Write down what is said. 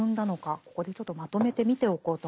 ここでちょっとまとめて見ておこうと思います。